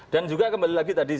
dan juga kembali lagi tadi